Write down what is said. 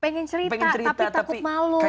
nah itu pengen cerita tapi takut malu